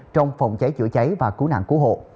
trong phòng cháy chữa cháy và cứu nạn cứu hộ